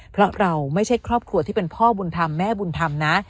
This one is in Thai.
เพราะเราไม่ใช่ครอบครัวที่เป็นพ่อบุญธรรมแม่บุญธรรมนะ